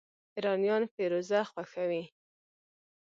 ایرانیان فیروزه خوښوي.